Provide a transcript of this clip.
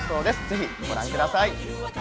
ぜひご覧ください。